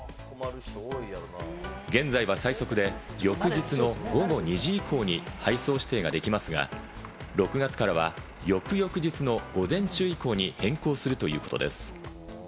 現在は最速で翌日の午後２時以降に配送指定ができますが、６月からは翌々日の午前中以降に変更するということです。